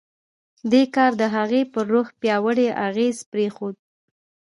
دې کار د هغه پر روح پیاوړی اغېز پرېښود